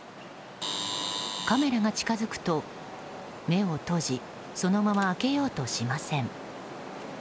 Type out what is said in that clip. カメラが近づくと、目を閉じそのまま開けようとしません。